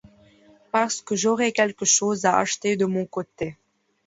Parce que j’aurai quelque chose à acheter de mon côté.